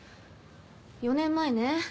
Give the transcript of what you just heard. ４年前ね